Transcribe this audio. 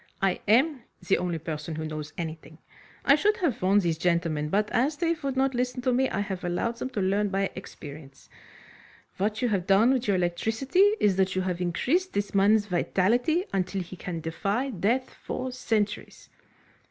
"I am the only person who knows anything. I should have warned these gentlemen; but, as they would not listen to me, I have allowed them to learn by experience. What you have done with your electricity is that you have increased this man's vitality until he can defy death for centuries."